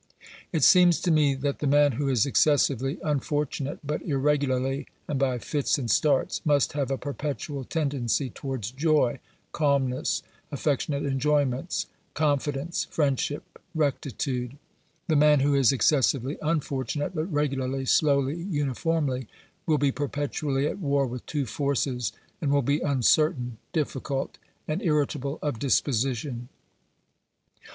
It seems to me that the man who is excessively unfor tunate, but irregularly and by fits and starts, must have a perpetual tendency towards joy, calmness, affec tionate enjoyments, confidence, friendship, rectitude. The OBERMANN 107 man who is excessively unfortunate, but regularly, slowly, uniformly, will be perpetually at war with two forces and will be uncertain, difificult and irritable of disposition.